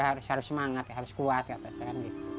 harus semangat harus kuat katanya